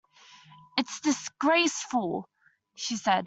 "It's disgraceful," she said.